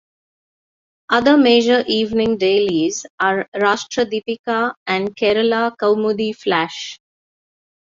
Other major evening dailies are "Rashtra Deepika" and "Kerala Kaumudi Flash".